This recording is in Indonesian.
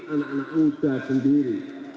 anak anak muda sendiri